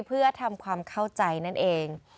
เพื่อทำความเข้าใจนั่นเอง